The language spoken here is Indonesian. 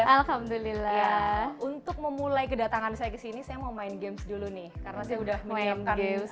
alhamdulillah untuk memulai kedatangan saya kesini saya mau main games dulu nih karena sudah main games